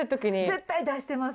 絶対出してますよ。